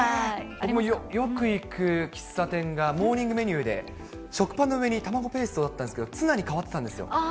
僕もよく行く喫茶店がモーニングメニューで、食パンの上に卵ペーストだったんですけど、ツナに変わってたんですよ。